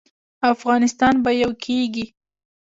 افغانستان به یو کیږي؟